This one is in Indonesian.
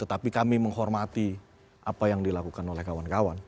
tetapi kami menghormati apa yang dilakukan oleh kawan kawan